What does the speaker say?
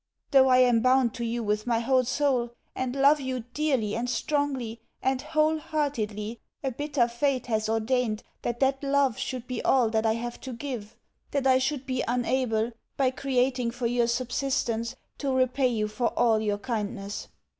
Though I am bound to you with my whole soul, and love you dearly and strongly and wholeheartedly, a bitter fate has ordained that that love should be all that I have to give that I should be unable, by creating for you subsistence, to repay you for all your kindness.